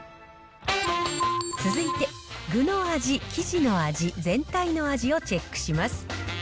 続いて具の味、生地の味、全体の味をチェックします。